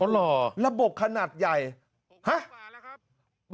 อ๋อหรอระบบขนาดใหญ่ฮะ